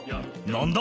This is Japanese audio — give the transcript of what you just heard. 何だ？